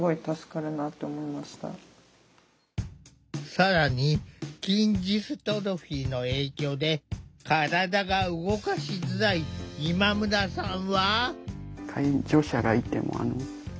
更に筋ジストロフィーの影響で体が動かしづらい今村さんは。